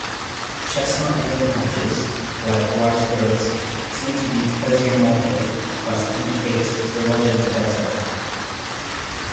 Chestnut wing patches, like white throats, seem to be plesiomorphic, but indicate phylogeny better.